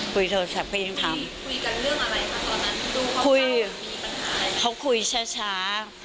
คุยโทรศัพท์ก็ยังทำคุยกันเรื่องอะไรค่ะตอนนั้นดูเขาเจ้ามีปัญหา